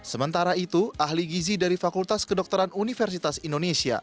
sementara itu ahli gizi dari fakultas kedokteran universitas indonesia